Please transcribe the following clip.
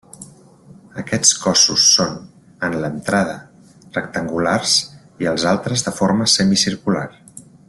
Aquests cossos són, en l'entrada, rectangulars i els altres de forma semicircular.